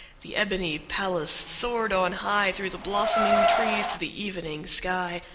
The ebony palace soared on high Through the blossoming trees to the evening sky.